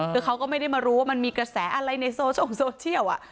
คือเขาก็ไม่ได้มารู้ว่ามันมีกระแสอะไรในโซเชียล